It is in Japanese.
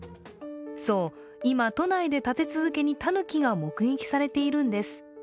そう、今、都内で立て続けにたぬきが目撃されているんです。